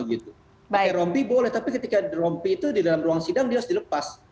pakai rompi boleh tapi ketika rompi itu di dalam ruang sidang dia harus dilepas